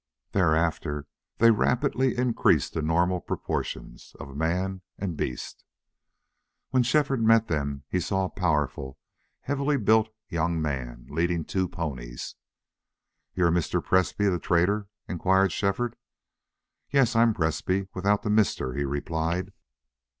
Thereafter they rapidly increased to normal proportions of man and beast. When Shefford met them he saw a powerful, heavily built young man leading two ponies. "You're Mr. Presbrey, the trader?" inquired Shefford. "Yes, I'm Presbrey, without the Mister," he replied.